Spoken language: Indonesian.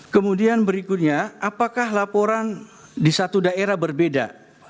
kemudian berikutnya apakah laporan di satu daerah berbeda